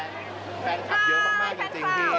แฟนคลับเยอะมากมากจริงพี่